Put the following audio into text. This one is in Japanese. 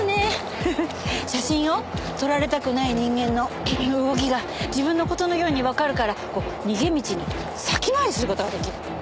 写真を撮られたくない人間の動きが自分の事のようにわかるから逃げ道に先回りする事ができる。